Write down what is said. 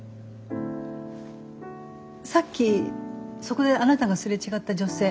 さっきそこであなたが擦れ違った女性。